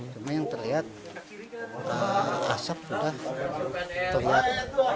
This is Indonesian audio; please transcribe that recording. cuma yang terlihat asap sudah tomat